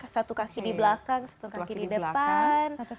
satu kaki di belakang satu kaki di depan